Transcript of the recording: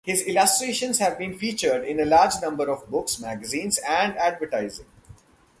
His illustrations have been featured in a large number of books, magazines, and advertising.